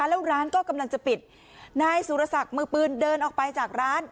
แล้วร้านก็กำลังจะปิดนายสุรศักดิ์มือปืนเดินออกไปจากร้าน